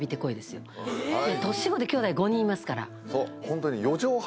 年子できょうだい５人いますから。